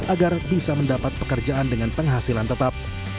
agar bisa mendapat pekerjaan dengan penghasilan tetap